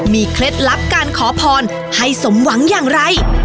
มีเคล็ดลับการขอพรให้สมหวังอย่างไร